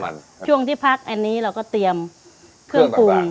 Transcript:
ช่วงที่พักอันนี้เราก็เตรียมเครื่องปรุง